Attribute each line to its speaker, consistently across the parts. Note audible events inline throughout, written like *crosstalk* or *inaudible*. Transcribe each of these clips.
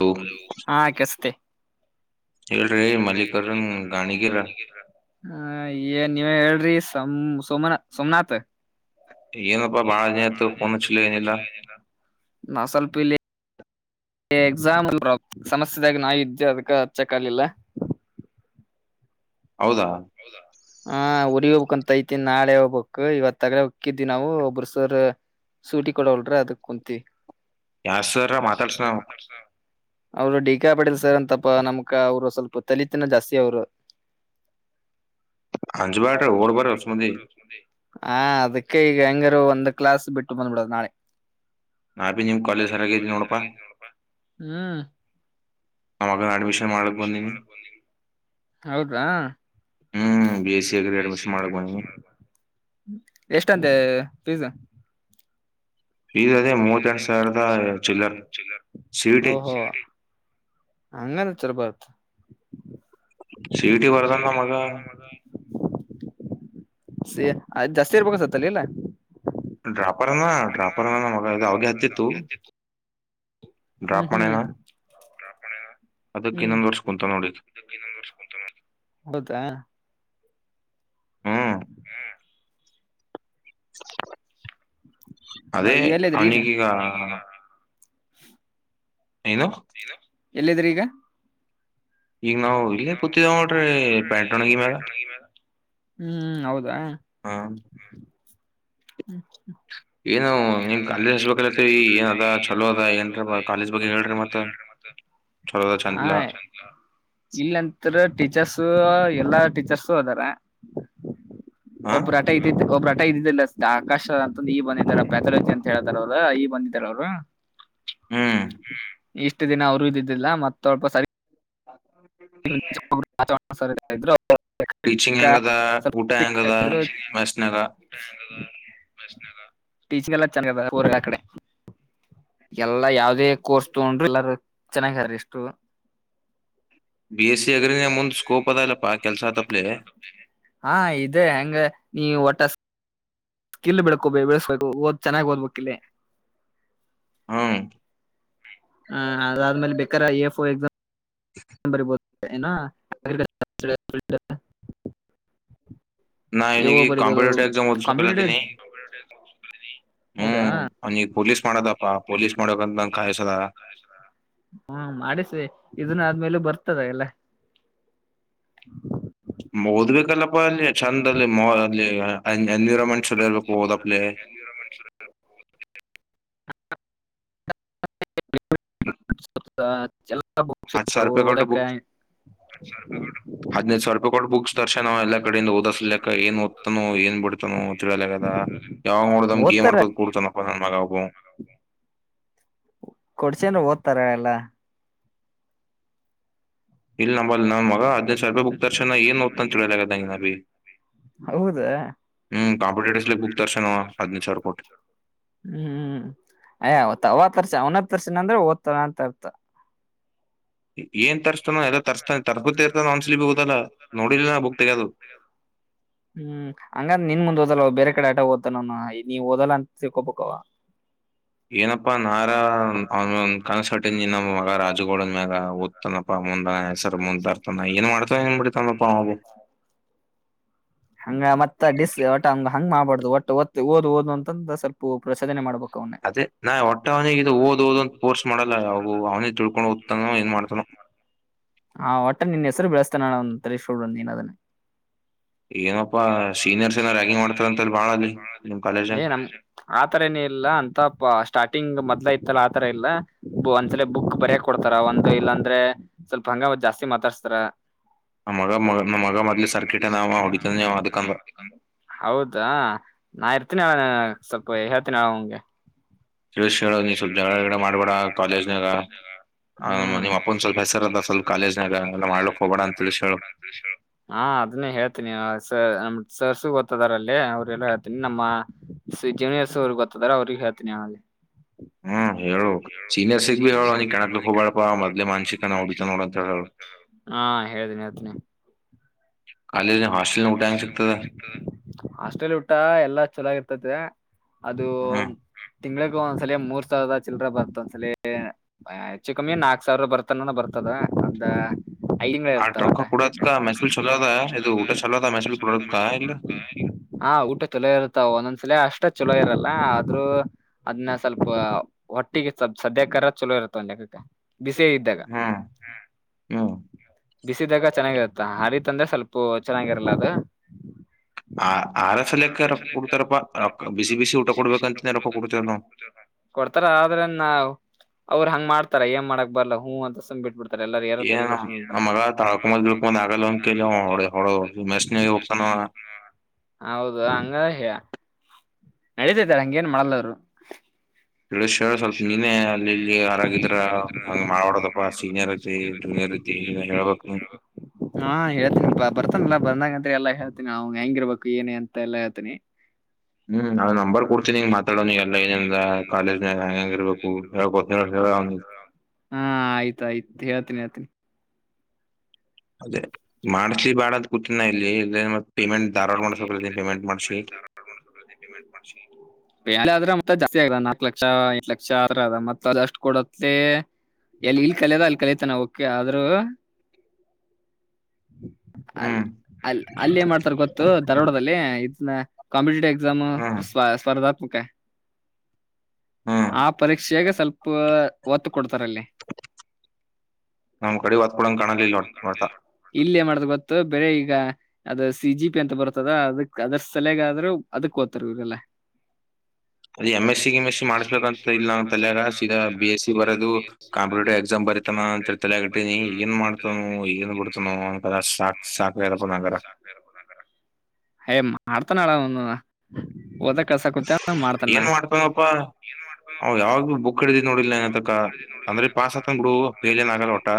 Speaker 1: ತು
Speaker 2: ಹಾ ಕೆಳಸ್ತೆ.
Speaker 1: ಹೇಳ್ರಿ ಮಲ್ಲಿಕಾರ್ಜನ್ ಗಾಣಿಗಿರ.
Speaker 2: ಕಾಣಿಗಿರ ಹ ಏನ್ ನೀವ್ ಹೇಳ್ರಿ ಸಮ್ ಸೋಮನಾಥ್ ಸೋಮನಾಥ್.
Speaker 1: ಏನಪ್ಪಾ ಬಾಳ ದಿನ ಆಯತ ಪೋನ ಹಚ್ಚಲಿಲ್ಲ ಏನಿಲ್ಲ.
Speaker 2: ನಾ ಸ್ವಲ್ಪ ಇಲ್ಲಿ. ಎಕ್ಸಾಮ್ಲ್ ಅಲ್ ಬ್ರೋ ಸಮಸ್ಯೆದಾಗಿ ನಾ ಇದ್ದೆ ಅದಕ್ಕೆ ಅಚ್ಚಕ್ಕಾಲಿಲ್ಲ.
Speaker 1: ಹೌದಾ
Speaker 2: ಹಾ ಊರಿಗಿ ಹೋಗ್ಬೇಕುಂತ ಐತನಿ ನಾಳೆ ಹೋಗ್ ಹೋಗಬಕ್ ಇವತ್ಗಡೆ ಉಕ್ಕಿದಿ ನಾವು ಒಬ್ರಸರ್ ಸೂರೀಟಿ ಕೊಡವಲ್ರ ಅದಕ್ ಕುಂತ.
Speaker 1: ಯ ಸರ ಮಾತಾಡ್ಸನವು.
Speaker 2: ಅವರು ಡಿಕಾ ಪಟೇಲ್ ಸರ್ ಅಂತಪ್ಪಾ ನಮಕ ಅವರು ಸ್ವಲ್ಪ ತಲಿತನ ಜಾಸ್ತಿ ಅವ್ರು.
Speaker 1: ಅಂಜಬ್ಯಾಡ್ರಿ ಓಡ್ ಬರ್ರಿ ಹೊಸ್ಮಂದಿ
Speaker 2: ಹ ಅದಕ್ಕೆ ಈಗ ಹೆಂಗಾರು ಒಂದ್ ಕ್ಲಾಸ್ ಬಿಟ್ಟು ಬಂದ್ಬಿಡದು ನಾಳೆ.
Speaker 1: ನಾ ಬಿ
Speaker 2: ಆ
Speaker 1: ಕಾಲೇಜ್
Speaker 2: ನಿಮ್
Speaker 1: ಸರಾಗೈತಿ
Speaker 2: ಕಾಲೇಜ್ ಎಂಗ ನೋಡಪಾ ಹ್ಮ.
Speaker 1: ಅವಾಗ ಅಡ್ಮಿಶನ್.
Speaker 2: ಹೌದ್ರಾ.
Speaker 1: ಹ್ಮ್ B S C agri admission ಮಾಡಕ್ ಬಂದಿನಿ
Speaker 2: ಎಷ್ಟಂತೆ. ಪೀಸಾ.
Speaker 1: ಇ ಅದೇ ಮೂವತ್ತೆಂಟ ಸಾವಿರದ ಚಿಲ್ಲರ್ ಸೀಟಿ.
Speaker 2: ಹಂಗನ್ ಚರ್ಬತ್.
Speaker 1: ಸಿ ಇ ಟಿ ಬರ್ದಾನ ನಮ್
Speaker 2: ಸೂರಟಿ
Speaker 1: ಮಗ
Speaker 2: ಬರ್ದ ಮತ ಸ ಅ್ ಜಾಸ್ತಿ ಇರ್ಬೇಕ ಸತ್ತಲ್ಲ ಇಲ್ಲ.
Speaker 1: ಡ್ರಾಪರ್ನಾ ಡ್ರಾಪರ್ ಮಗ ಇದು ಅವಗೆ ಹತ್ತಿತ್ತು.
Speaker 2: ಹ್ಮ್
Speaker 1: ಡ್ರಾಪ್
Speaker 2: ಹ್ಮ್
Speaker 1: ಮಾಡ್ಯಾನ ಅದಕ್
Speaker 2: ಹ್ಮ್
Speaker 1: ಇನ್ನೊಂದ್ ವರ್ಷ ಕುೂಂತ ನೋಡಿಕ್.
Speaker 2: ಹೌದಾ ಹ್ಮ್
Speaker 1: ಅದೇ
Speaker 2: ಎಲ್ಲಿದ್ರಿ ಈಗ
Speaker 1: ಅವನೀಈಗ ಏನು
Speaker 2: ಎಲ್ಲಿದ್ದ್ರೀ ಈಗ.
Speaker 1: ಈಗ ನಾವು ಇಲ್ಲೇ ಕುತ್ತಿದೆವಲರ್ರಿ ಪ್ಯಾಂಟ್ಣಗಿ ಮ್ಯಾಗ.
Speaker 2: ಹ್ಮ್ ಹೌದಾ.
Speaker 1: ಹಾ
Speaker 2: ಹ್ಮ್ ಏನು
Speaker 1: ನಿಮ್ ಕಾಲೇಜ್
Speaker 2: ನೀಮ್ ಕಾಲೇಜ
Speaker 1: ಹಚ್ಬೇಕಲತ್ತೇವಿ ಏನ್ ಅದ
Speaker 2: ಹಲ್ಲತೀರಿ ಏನದ ಚಲೋ
Speaker 1: ಏನ್ರ
Speaker 2: ಅದ
Speaker 1: ಕಾಲೇಜ್ ಬಗ್ಗೆ ಹೇಳ್ರಿ
Speaker 2: ಕಾಲಜ ಹೇಳಿ ಮತ್ತ.
Speaker 1: ಚಲೋ ಅದ
Speaker 2: ಹಾ
Speaker 1: ಚಂದಿಲ್ಲ
Speaker 2: ಇಲ್ಲ ನಂತ್ರ ಟೀಚರ್ಸ ಎಲ್ಲಾ ಟೀಚರ್ಸು ಅದ.
Speaker 1: ಹಾ
Speaker 2: ಒಬ್ಬ್ರಟ ಇದ್ದ ಒಬ್ಬ್ರಟ ಇದ್ದಿದ್ದಿಲ್ಲ ಅಷ್ಟ ಆಕಾಶ ಅಂತ. ಈ ಬಂದಿದಾರ ಪ್ಯಾಥಾಲಜಿ ಅಂತ ಹೇಳ್ತಾರ ಅವ್ರ ಈ ಬಂದಿದಾರ ಅವರು.
Speaker 1: ಹ್ಮ್
Speaker 2: ಇಷ್ಟು ದಿನ ಅವರು ಇದಿದ್ದಿಲ್ಲ ಮತ್ತೊಲ್ಪ ಸರಿ
Speaker 1: ಹ
Speaker 2: ಚ ಸ ಇದ್ರು *unintelligible*
Speaker 1: ಟೀಚಿಂಗ್
Speaker 2: ಕ್ಕ
Speaker 1: ಹೆಂಗದ ಊಟ ಹೆಂಗದ
Speaker 2: *unintelligible*
Speaker 1: ಮೆಸ್ನಾಗ
Speaker 2: ಟಿಚಿಂಗ್ ಎಲ್ಲಚ್ಚನ್ ಕದಾ ಊರಗ ಅಕಡೆ. ಎಲ್ಲಾ ಯಾವದೇ ಕೋರ್ಸ್ ತಗೊಂಡ್ರರು ಎಲ್ಲಾರು ಚೆನ್ನಾಗಾರ ಇಷ್ಟು.
Speaker 1: ಬಿ ಎಸ್ ಸಿ ಅಗ್ರಿ ಮುಂದ್ ಸ್ಕೋಪ್ ಅದಲ್ಲಪ್ಪಾ ಕೆಲ್ಸ ಆತಪ್ಲೆ
Speaker 2: ಹಾ ಇದೆ ಹೆಂಗ. ನೀ ಒಟ್ಟ ಹಸಿ ಕಿಲ್ಲ ಬೆಳಕೊ ಬೆಳೆಸ್ಬೇಕು ಓದ್ ಚೆನ್ನಾಗ್ ಓದ್ಬೇಕ ಕಿಲ್ಲೇ.
Speaker 1: ಹ್ಮ
Speaker 2: ಹ ಅದಾದ್ಮೇಲೆ ಬೇಕ ಎ ಎಫ್ ಎಕ್ಸಾಮ. ಬ ಬ
Speaker 1: ನಾ ನಿ
Speaker 2: ಬರಿಬೋದು
Speaker 1: ಕಂಪಿಟ ಎಾಮಓದು ಸಕಲ್ಲಾ ತಿ
Speaker 2: ಕಾಂಪಿಟೇಟಿವ್ ಹೌದಾ
Speaker 1: ಹ್ಮ್ ಅವ ನೀಗ್ ಪೊಲೀಸ್ ಮಾಡದಪ್ಪ ಪೊಲೀಸ್ ಮಾಡಕಂತಂಗ ಕಾಯಸದ
Speaker 2: ಹ್ಮ ಮಾಡಿಸಿ ಇದನ್ನ ಆದ್ಮೇಲೆ ಬರ್ತದ ಎಲ್ಲ *inaudible*
Speaker 1: ಓದ್ಬೇಕಲ್ಲಪ್ಪ ಅಲ್ಲಿ ಚೆಂದ ಅಲ್ಲಿ ಮ ಅಲ್ಲಿ ಎನ್ವಿರಾನ್ಮೆಂಟ್ ಚಲೋ ಇರ್ಬೇಕು ಓದಪ್ಲೆ
Speaker 2: ನಿರಮರ *inaudible* *unintelligible*
Speaker 1: ಹತ್ತು ಸ ರೂಪೆ ಕಟ್ಟ
Speaker 2: ಓದಕ್ಕ
Speaker 1: ಬುಕ್ ಹದನ ಸಾವ ರೂಪೆ ಕಟ್ ಬುಕ್ಸ್ ದರ್ಶ ನ ಎಲ್ಲಾ ಕಡಿಂದ ಓದಿಸ್ಲ ಏ ಓದ್ತನು ಏನ್ ಬಿಡ್ತಾನ ತಿಳಲದ ಯಾವಾಗ ನೋಡಮ ಮಾಡ್ಕೋದು ಕುಡ್ತನಪ್ಪ ನನ್ ಮಗ
Speaker 2: ೌ ಕೊಡ್ಸನ್ರು ಓದ್ತಾರ ಎಲ್ಲಾ
Speaker 1: ಇಲ್ಲ ನಂಬಲ್ ನ ಮ ಹದಿನೈದು ಸಾವಿ ರೂಪಾಯಿ ಬುಕ್ ತರ್ಣ ಏನ್ ನೋ್ತ ಅಂತೇಳಿಲದಂಗ ನ ಅ ಬಿೀ
Speaker 2: ಹೌದು
Speaker 1: ಹ್ಮ್ ಕಾಂಪಟಟ್ಿಸಲಿ ಬುಕ್ತಾರಸ ನ ಅದನಿ ಚರ್ಕೋಟ್
Speaker 2: ್ಮ್ ಅಯಾವತ ರ್ಶನ ಅಂದ್ರೆ ದ್ತನ ಅಂತ ಇರ್ತ
Speaker 1: ಏನ್ ತರಿಸಸ್ತಾನೋ ಎಲ್ಲಾ ತರ್ಸ್ತಾನ ತರ್ ಇರ್ತಾನ ಅನ್ಸಲಿ ಬಿ ಹುದದಲ್ಲ ನೋಡಿಲಿಲ್ಲ ನ ಬುಕ್ ತೆಗೆಗೋದು
Speaker 2: ಹ್ಮ್ ಹಂಗಂದ ನಿನ್ ಮುಂದ್ ಓದಲ್ಲ ಬೇರೆ ಕಡೆ ಆಟ ಓದತಾನನು ನೀವು ಓದಲ್ಲ ಅಂತ ತಿಕೋಬೇಕವ
Speaker 1: ಏನಪ್ಪಾ ನಾರ ಅವ ಕನ್ಸಟ್ಟಿನಿ ನಮ್ಮ ಮಗ ರಾಜುಗೌಡ ಆ್ಯಾಗ ದ್ತನಪ್ಪಾ ಮುಂದ ಹೆಸರು ಮುಂದರ್ತಾನ ಏನ್ ಮಾಡ್ತವ ನ್ ಬಿಡತನಪ್ಪಾ ಅವು
Speaker 2: ಹಂಗ ಮತ್ತ ಡಿಸ್ ಒಟ ಹಂಗ ಹಂಗ್ ಮಾಡ್ಬಾರಡ್ದು ಒಟ್ಟ ಒತ್ತು ಓದ್ ಓದು ಅಂತಂದ ಸ್ವಲ್ಪ ಪ್ರಶೋನೆ ಮಾಡ್ಬು
Speaker 1: ಅದೇ ನಾ ಹೊಟ್ಟ ಅವನಿಗೆ ಇ ಓದ್ ಓದ್ ಅಂತ ಕೋರ್ಸ್ ಮಾಡಲ್ಲ ಅವ ಅವನಿಗೆ ತ ತಿಳ್ಕೊಂಡು ದ್ತಾನೋ ಏನ್ ಮಾಡ್ತಾನೋ *inaudible* *unintelligible*
Speaker 2: ಹಾ ಒಟ್ಟ ನಿನ್ ಹೆಸರು ಬೆಳೆಸ್ತಾನ ಒ ತಳಿಸಕೊಡ್ ಏನದನ್ನ
Speaker 1: ನಪ್ಪಾ ನಿಮ್ ಕಾಲೇಜ್
Speaker 2: ಏ ನಮ ಆತರ ನ ಇಲ್ಲ ಅಂತ ಸ್ಟಾರ್ಟಿಂಗ್ ಮತ್ತೆ ಇತ್ತಲ್ಲ ಆತರ ಇಲ್ಲ ಒಂದ್ಸಲ ಬುಕ್ ಬರಯಕ್ ಕೊಡ್ತಾರ ಒಂದಂದು ಇಲ್ಲ ಅಂದ್ರೆ ಸ್ವಲ್ಪ ಹಂಗ ಜಾಸ್ತಿ ತಸತ್ರ
Speaker 1: ನ ಮಗ ಮ ನಮ್ಮ ಮಗ ಮದ್ಲಿ ಸರ್ಕಿಟ ನ
Speaker 2: ಹೌದಾ ನಾರ್ತ ಇನ ಸತ್ತಿನ ಹಗೆ
Speaker 1: ಹೇಳ ಹೇಳ ನೀ ಸ್ವಲ್ಪ ಜಡೆ ಮಾಡ್ಬೇಡ ಕಾಲೇಜ್ನಾಗ
Speaker 2: ಹ್ಮ್
Speaker 1: ನಿಮ್ಮ ಅಪ್ಪಂದ ಸ್ವಲ್ಪ ಹೆಸರಸ ಹೇಳು
Speaker 2: ಹಾ ಅದನ್ನೇ ಹೇಳ್ತೀನಿ ಸರ್ಸು ಗೊತ್ತದಾರ ಅಲ್ಲಿ ಅವ್ರಲ್ಲೋ ಹೇಳ್ತನಿ ನಮ್ಮ ಜೂನಿಯರ್ಸ್ ಅವ್ರಿಗೆ ಗೊತ್ತದ ಅವ್ರಿ ಹೇಳ್ತೀನಿ ಅವಲ್ಲಿ
Speaker 1: ಹ್ಮ ಂ ಹೇಳು ಸೀನಿಯರ್ಸಿಗ್ ಭೀ ಹೇಳು ಅನಿ ಕಣಕ್ ಹೋಗಬಳಪ್ಪ ಮದ್ಲೆ ಮಾಸಿಕ ನೋಡ ಚ ನೋಡ ಅಂತ ಹೇಳು
Speaker 2: ಹಾ ಹೇಳ್ತೀನಿ ಹತಿನಿ
Speaker 1: ಕಾಲೇಜ್ ಹಾಸ್ಟೆಲ್ ಊಟ ಹೆಂಗ್ ಸಿಗ್ತದ
Speaker 2: ಹಾಸ್ಟೆಲ್ ಊಟ ಎಲ್ಲಾ ಚೆನ್ನಾಗಿರ್ತತೆ ಅದು
Speaker 1: ಹ್ಮ್
Speaker 2: ತಿಂಗಗಳಗ ಒಂದ್ಸಲ ಮೂರ್ ಸಾವಿರದ ಚಿರ ಬರ್ತ ಒಂದ್ಸಲಲಿ ಹೆಚ್ಚು ಕಮ್ಮಿ ನಾಕ್ ಸಾವಿರ ಬರ್ತಾನ ಬರ್ತ ದ ಅಂತ
Speaker 1: ಹಾ ಟಕ್ಕಾ ಕುೂಡಾಾಸ ಕ ಮಹಸೂಸ ಚಲ ದು ಊೆ ಚಲೋ ತ ಮೆ ಪುರ ಗಾ ಇಲ್ಲ
Speaker 2: ಲ ಅಷ್ಟೇ ಚಲೋ ಇರಲ್ಲ ಆದ್ರೂ ಅದನ್ನ ಸ್ವಲ್ಪ ಒಟ್ಟಿಗೆ ಸದ್ಯ ಕರ ಚಲೋ ಇ ಇ ಬಿಸಿ ಇದ್ದಾಗ
Speaker 1: ಹಾ ಹ್ಮ್
Speaker 2: ಬಿಸಿದಾಗ ಚೆನ್ನಾಗಿರುತ್ತ ಹಾರಿ ತಂದ್ರೆ ಸ್ವಲ್ಪ ವಚ್ಚನಾಂಗರಲ ಅದೆ
Speaker 1: ಆ ಆರ್ ಎಫ್ ಎಲಕ್ಕ ರೊಕ್ಕ ಕೊಡ್ತಾರಪ್ಪಾ ರೊ ಬಿಸಿ ಬಿಸಿ ಊಟ ಕೊಡ್ಬೇಕಂತನ ರೊಕ್ಕ ಕೊಡ್ತೇವ ನವು
Speaker 2: ಕೊಡ್ತಾರ ಆದ್ರ ನಾವು ಅವ್ರರು ಹಂಗ ಮಾಡ್ತಾರ ಏನ್ ಮಾಡಕ್ ಬರ್ಲ್ಲ ಹೂ ಅಂತ ಸುಮ್ ಬಿಟ್ಬಿಡ್ತ
Speaker 1: ಏನ್ ನಮ್ಮ ಮಗ ತಾಳಕಮ ಬಿಳ್ಕೊ ಆಗಲ್ಲ *unintelligible* *unintelligible*
Speaker 2: ನಡೀತೈತಿ ಹಂಗೇನ್ ಮಾಡಲ್ಲ ಅವ್ರು
Speaker 1: ತಿಳಿಸಿ ಹೇಳು ಸ್ವಲ್ಪ ನೀನೇ ಅಲ್ಲಿ ಇಲ್ಲಿ ಆರಾಗಿದ್ರ ಹಂಗ ಮಾಡಾಡದಪ್ಪ ಸೀನಿಯರ್ ಆಗತಿ ಜೂನಿಯರ್ ಹೇಳ್ಬೇಕು ನೀನು
Speaker 2: ಹಾ ಹೇಳ್ತನಾ ಬರ್ತನ್ಲಾ ಬಂದಂಗ ಅಂದ್ರ ಎಲ್ಲ ಹೇಳ್ತೀನಿ ಅವ್ ಹೆಂಗಿರ್ಬೇಕು ಏನೇ ಅಂತ ಎಲ್ಲ ಹೇಳ್ತೀನಿ
Speaker 1: ಹ್ಮ್ ಅದ್ ನಂಬರ್ ಕೊಡ್ತೀನಿಂಗ ಮಾತಾಡೋಲ್ಲ ಏನಂದ ಕಾಲೇಜ್ ಹೆಂಗಿರಬೇಕು ಹೇಳುಕೊತ ಹೇಳು ಅವ್ನಿಗೆ
Speaker 2: ಹಾ ಆಯ್ತ್ ಆಯ್ತು ಹೇಳ್ತೀನಿ ಹೇಳ್ತನಿ
Speaker 1: *unintelligible* ಪೇಮೆಂಟ್ ಧಾರವಾಡ ಮಾಡ್ಸಬೇಕ ಪೇಮೆಂಟ್ ಮಾಡ್ಸಿ
Speaker 2: *unintelligible* ಜಾಸ್ತಿ ಆಗದ ನಾಕ್ ಲಕ್ಷ ಎಂಟ್ ಲಕ್ಷ ಮತ್ತ ಅದಷ್ಟು ಕೊಡತ್ ಎಲ್ಲಿ ಇಲ್ ಕಲಿಯದೇ ಅಲ್ಲಿ ಕಲಿತಾನೆ ಓಕೆ ಆದ್ರೂ
Speaker 1: ಹ್ಮ್
Speaker 2: ಅಲ್ಲಿ ಏನ್ ಮಾಡ್ತಾರ ಗೊತ್ತು ಧಾರವಾಡದಲ್ಲಿ ಇದನ್ನ ಕಾಂಪಿಟೇಟ ಎಕ್ಸಾಮ್
Speaker 1: ಹ್ಮ್
Speaker 2: ಸ್ಪರ್ಧಾತ್ಮಕ
Speaker 1: ಹ್ಮ್
Speaker 2: ಆ ಪರೀಕ್ಷೆಯಾಗ ಸ್ವಲ್ಪ ಒತ್ತು ಕೊಡ್ತಾರಲ್ಲಿ
Speaker 1: ನಮ್ ಕಡೆ ಒತ್ ಕೊಡಂಗ್ ಕಾಣಲಿಲ್ಲ ನೋಡ್ ನೋಡ್ತಾ
Speaker 2: ಇಲ್ಲೇ ಮಾಡ್ದ ಗೊತ್ತು ಬೇರೆ ಈಗ ಅದ ಸಿ ಜಿ ಪಿ ಅಂತ ಬರ್ತದ ಅದಕ್ ಅದರ ಸಲಗಾದ್ರರು ಅದಕ್ ಓದತಾರೆ ಇವ್ರೆಲ್ಲ ಇಲ್ಲ
Speaker 1: ಅದು M S C S C ಮಾಡ್ಸ್ಬೇಕಂತ ಇಲ್ಲ ಅಂತಾಗಾ ಬಿ ಎಸ್ ಸಿ ಬರೋದು ಕಾಂಪಿಟೇಟಿವ್ ಎಕ್ಸಾಮ್ ಬರಿತಾನ ಅಂತ ತಲೆಯಾಗ ಇಟ್ಟೀನಿ ಏನ್ ಮಾಡ್ತಾನ ಏನ್ ಬಿಡ್ತಾನ ಅಂತ ಸಾಕಕ್ ಸಾಕಪ್ಪ
Speaker 2: ಹೇ ಮಾಡ್ತಾನ ಹೇಳು ಅವ್ನು ಓದಕ್ *unintelligible* ಮಾಡ್ತಾನ
Speaker 1: ಅವ್ ಯಾವಾಗಲ್ಲೂ ಬುಕ್ ಹಿಡಿದು ನೋಡಿಲ್ ಏನತಕ್ಕ ಅಂದ್ರೆ ಪಾಸ್ ಹತಂಗ ಬಿಡು ಫೇಲ್ ಏನ್ ಆಗಲ್ಲ ಒಟಾ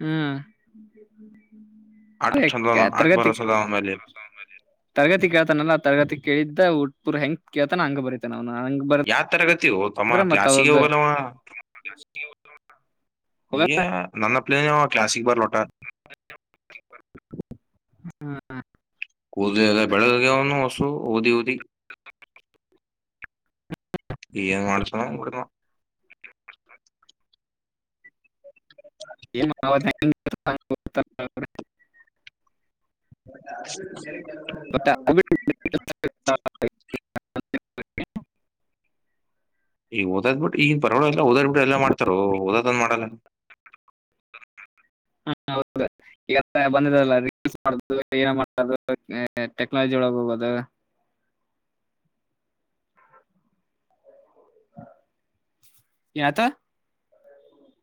Speaker 2: ಹ್ಮ್
Speaker 1: ಆಟ ಚಂದ ಆಟ್
Speaker 2: ತರಗತಿ
Speaker 1: ಬರೋಸದ ಅವನ್ ಮೇಲೆ
Speaker 2: ತರಗತಿ ಕೇಳ್ತಾನಲ್ಲ ತರಗತಿ ಕೇಳಿದ್ದ ಪುರ್ ಹೆಂಗ ಕಳ್ತಾನ ಹಂಗ ಬರಿತಾನ ಅವನು ಹಂಗ
Speaker 1: ಯಾವ ತರಗತಿಯೋ ಅಮ್ಮ
Speaker 2: ಬರದ್ರ ಮತ್ತ
Speaker 1: ಕ್ಲಾಸಿಗೆ ಹೋಗಲ್ಲವಾ *inaudible* ನನ್ನ ಪ್ಲೇನ ಕ್ಲಾಸಿಗೇ ಬರಲ್ಲ ಓಟಾ
Speaker 2: ಹ್ಮ್
Speaker 1: ಕೂದಲ್ಲ ಬೆಳಿಗೆ ಅವ್ನು ಅಷ್ಟು ಓದಿ ಓದಿ ಏನ್ ಮಾಡ್ತಾನೋ
Speaker 2: *unintelligible*
Speaker 1: *unintelligible*
Speaker 2: *unintelligible*
Speaker 1: ಈಗ ಓದ್ ಬಿಟ್ಟ ಈಗ *unintelligible* ಎಲ್ಲ ಓದದು ಬಿಟ್ಟು ಎಲ್ಲ ಮಾಡತಾರ ಓದನ್ ಮಾಡಲ್ಲ
Speaker 2: ಹಾ ಹೌದು *unintelligible* ಏನ ಮಾಡ್ ಟೆಕ್ನಾಲಜಿ *unintelligible*
Speaker 1: *inaudible*
Speaker 2: *unintelligible*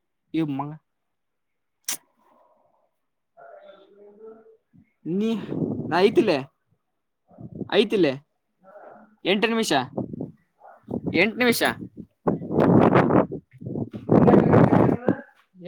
Speaker 2: *unintelligible*
Speaker 1: *inaudible*
Speaker 2: ನೀ ನಾ ಐತಿಲ್ಲ ಐತಿಲ್ಲೇ ಎಂಟು ನಿಮಿಷ ಎಂಟು ನಿಮಿಷ
Speaker 1: *inaudible*